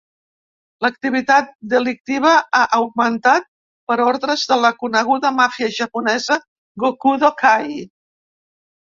L'activitat delictiva ha augmentat per ordres de la coneguda màfia japonesa Gokudo-kai.